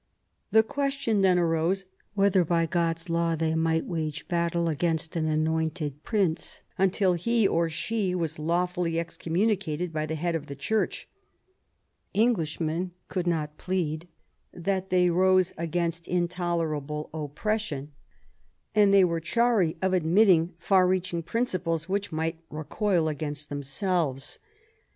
The ques tion then arose " whether by God's law they might wage battle against an anointed Prince, until he or she was lawfully excommunicated by the Head of the Church ". Englishmen could not plead that they rose against intolerable oppression ; and they were chary of admitting far reaching principles which might recoil against themselves.